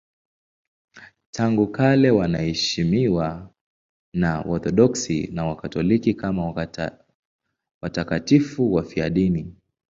Tangu kale wanaheshimiwa na Waorthodoksi na Wakatoliki kama watakatifu wafiadini.